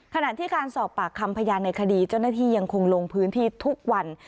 ขณะที่การสอบปากคำพยานในคดีเจ้าหน้าที่ยังคงลงพื้นที่ทุกวัน